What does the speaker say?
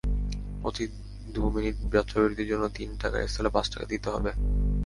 প্রতি দুই মিনিট যাত্রাবিরতির জন্য তিন টাকার স্থলে পাঁচ টাকা দিতে হবে।